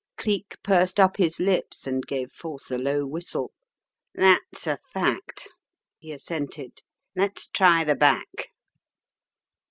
Cleek pursed up his lips and gave forth a low whistle. "That's a fact," he assented. "Let's try the back."